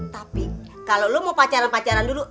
tapi kalo lu mau pacaran pacaran dulu